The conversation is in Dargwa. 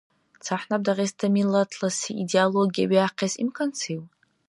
ЦахӀнаб Дагъиста миллатласи идеология биахъес имкансив?